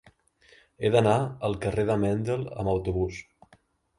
He d'anar al carrer de Mendel amb autobús.